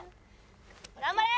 頑張れ！